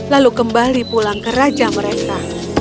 lalu kembali pulang ke raja mereka